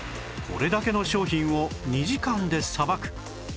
これだけの商品を２時間でさばく